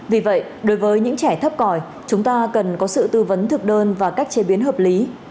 vì vậy đối với những trẻ thấp còi chúng ta cần có sự tư vấn thực đơn và cách chế biến hợp lý